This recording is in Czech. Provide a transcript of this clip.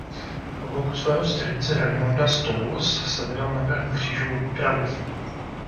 Po boku svého strýce Raimonda z Toulouse se vydal na první křížovou výpravu.